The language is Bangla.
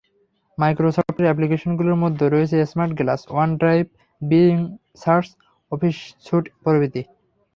মাইক্রোসফটের অ্যাপ্লিকেশনগুলোর মধ্যে রয়েছে SmartGlass, OneDrive, Bing search, Office suite প্রভৃতি।